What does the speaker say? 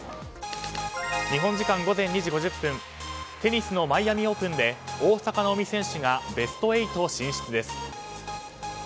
日本時間午前２時５０分テニスのマイアミ・オープンで大坂なおみ選手がベスト８進出です。